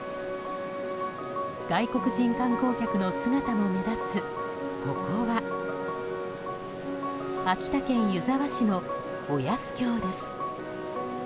外国人観光客の姿も目立つここは秋田県湯沢市の小安峡です。